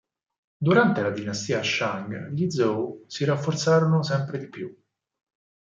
Durante la dinastia Shang gli Zhou si rafforzarono sempre di più.